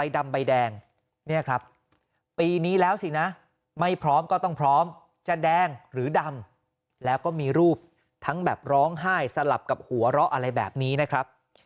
เดี๋ยวลองดูนะครับ